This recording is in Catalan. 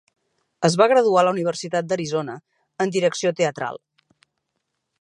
Es va graduar a la Universitat d'Arizona, en direcció teatral.